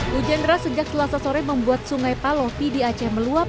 hujan deras sejak selasa sore membuat sungai palofi di aceh meluap